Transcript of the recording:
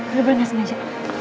belum pernah sengaja